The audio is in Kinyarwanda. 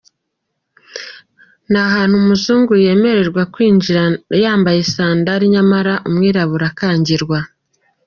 Ni ahantu umuzungu yemererwa kwinjira yambaye sandals nyamara umwirabura akangirwa.